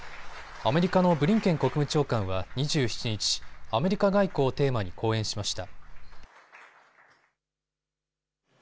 アメリカのブリンケン国務長官は２７日、アメリカ外交をテーマに講演しました。